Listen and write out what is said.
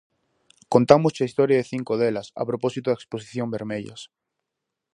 Contámosche a historia de cinco delas a propósito da exposición "Vermellas".